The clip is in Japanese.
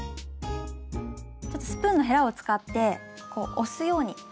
ちょっとスプーンのへらを使ってこう押すように。